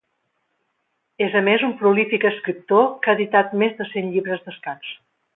És a més un prolífic escriptor, que ha editat més de cent llibres d'escacs.